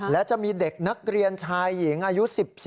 และจะมีเด็กนักเรียนชายหญิงอายุ๑๔